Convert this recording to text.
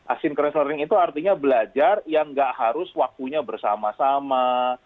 asincranis learning itu artinya belajar yang gak harus waktunya bersama sama